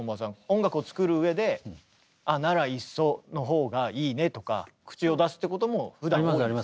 音楽を作る上で「ならいっそ」のほうがいいねとか口を出すってこともふだんは多い？